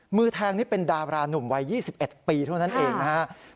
มือแทงนี่เป็นดารานุ่มวัย๒๑ปีเท่านั้นเองนะครับ